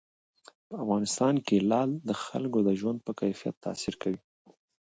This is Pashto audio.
په افغانستان کې لعل د خلکو د ژوند په کیفیت تاثیر کوي.